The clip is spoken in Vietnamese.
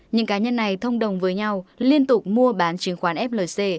những cá nhân này thông đồng với nhau liên tục mua bán chứng khoán flc